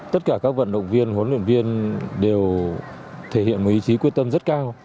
tất cả các vận động viên huấn luyện viên đều thể hiện một ý chí quyết tâm rất cao